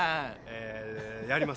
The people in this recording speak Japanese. えやります。